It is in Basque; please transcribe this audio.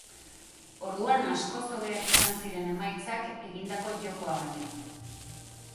Orduan askoz hobeak izan ziren emaitzak egindako jokoa baino.